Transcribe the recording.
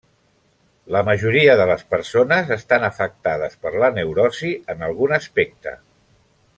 La majoria de les persones estan afectades per la neurosi en algun aspecte.